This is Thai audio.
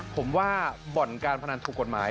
ผมว่าบ่อนการพนันถูกกฎหมาย